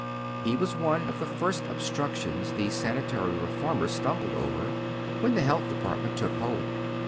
He was one of the first obstructions the sanitary i eformers stumbled over, wlien tlie Health Department took hold.